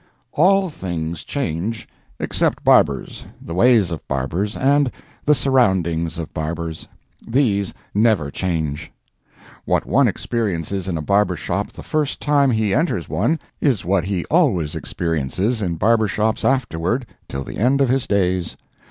All things change except barbers, the ways of barbers, and the surroundings of barbers. These never change. What one experiences in a barber shop the first time he enters one, is what he always experiences in barber shops afterward till the end of his days.